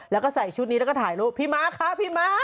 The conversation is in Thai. แล้วก็ใส่ชุดนี้แล้วก็ถ่ายรูปพี่ม้าคะพี่ม้า